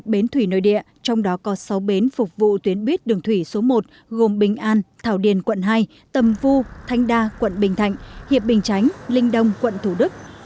một bến thủy nơi địa trong đó có sáu bến phục vụ tuyến buýt đường thủy số một gồm bình an thảo điền quận hai tầm vu thanh đa quận bình thạnh hiệp bình chánh linh đông quận thủ đức